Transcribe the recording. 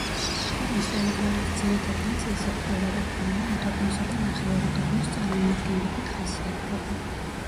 ქვეყნის ტერიტორიის ძირითად ნაწილზე ფლორა და ფაუნა უდაბნოსა და ნახევარუდაბნოს წარმომადგენლებით ხასიათდება.